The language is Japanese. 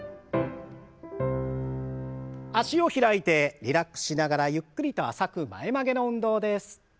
脚を開いてリラックスしながらゆっくりと浅く前曲げの運動です。